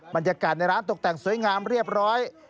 บรรยากาศในร้านตกแต่งสวยงามเรียบร้อย